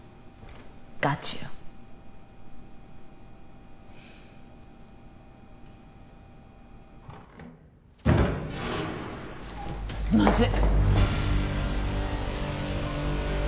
ガチよまずい！